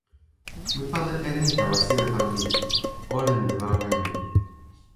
mi pali e ni tawa sina tan ni: olin li lawa e mi.